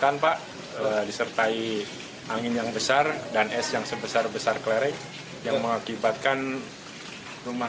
kan pak disertai angin yang besar dan es yang sebesar besar klere yang mengakibatkan rumah